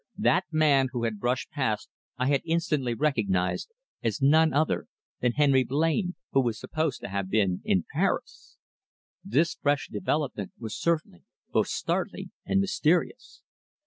That man who had brushed past I had instantly recognised as none other than Henry Blain, who for so many weeks was supposed to have been in Paris. This fresh development was certainly both startling and mysterious.